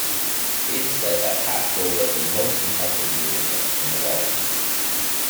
Davis said that Pascoal was "the most impressive musician in the world".